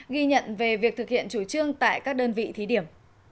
ghi nhận về việc thực hiện chủ trương tại các đơn vị thí điểm